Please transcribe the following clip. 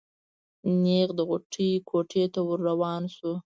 نېغ د غوټۍ کوټې ته ور روان شو.